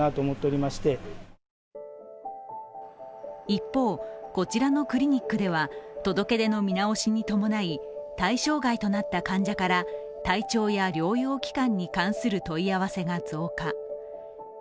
一方、こちらのクリニックでは、届け出の見直しに伴い、対象外となった患者から体調や療養期間に関する問い合わせが増加。